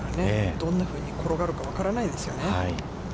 どんなふうに転がるか分からないですよね。